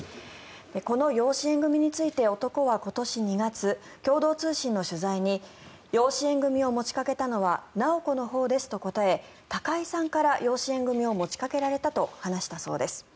この養子縁組について男は今年２月、共同通信の取材に養子縁組を持ちかけたのは直子のほうですと答え高井さんから養子縁組を持ちかけられたと話したそうです。